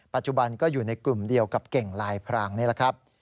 ปัจจุบันก็อยู่ในกลุ่มเดียวกับเก่งลายพรางนี่แหละครับ